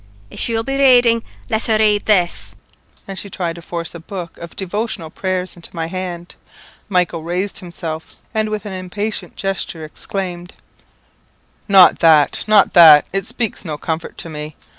If she will be rading, let her rade this," and she tried to force a book of devotional prayers into my hand. Michael raised himself, and with an impatient gesture exclaimed "Not that not that! It speaks no comfort to me.